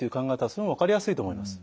それも分かりやすいと思います。